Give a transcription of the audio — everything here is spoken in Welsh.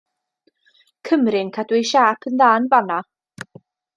Cymru yn cadw'u siâp yn dda yn fan 'na.